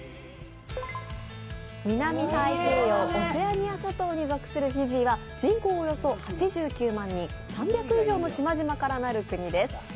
南太平洋のオセアニア諸島に属するフィジーは人口およそ８９万人、３００以上の島々からなる国です。